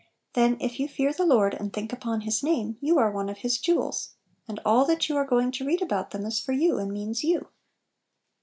Then if you fear the Lord, and think upon His name, you are one of His jewels, and all that you are go *j% Little Pillows. ing to read about them is for you, and means you.